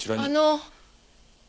あの。